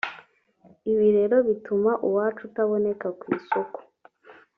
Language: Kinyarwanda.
ibi rero bituma uwacu utaboneka ku isoko